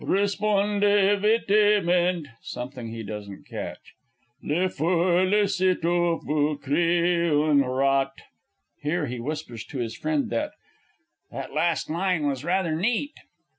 _ Repondez vitement [Something he doesn't catch. Le fou l'eau sitôt vous crie "un rat!" [_Here he whispers to his friend that "That last line was rather neat."